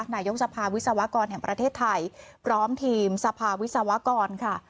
นายกสภาวิศวกรแห่งประเทศไทยพร้อมทีมสภาวิศวกรค่ะ